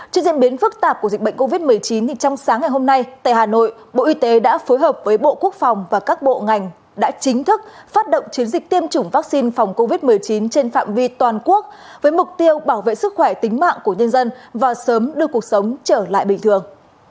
trước diễn biến phức tạp của dịch bệnh covid một mươi chín trong sáng ngày hôm nay tại hà nội bộ y tế đã phối hợp với bộ quốc phòng và các bộ ngành đã chính thức phát động chiến dịch tiêm chủng vaccine phòng covid một mươi chín trên phạm vi toàn quốc với mục tiêu bảo vệ sức khỏe tính mạng của nhân dân và sớm đưa cuộc sống trở lại bình thường